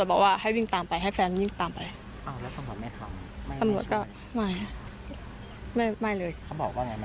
เขาบอกว่าไงมันไม่ใช่หน้าที่หรือเปล่า